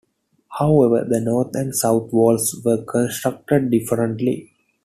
However, the north and south walls were constructed differently.